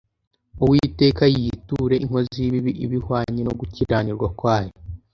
Uwiteka yiture inkozi y’ibibi ibihwanye no gukiranirwa kwayo.”